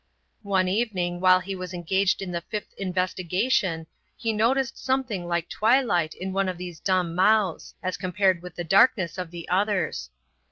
One evening while he was engaged in the fifth investigation he noticed something like twilight in one of these dumb mouths, as compared with the darkness of the others.